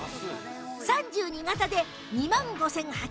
３２型で２万５０８０円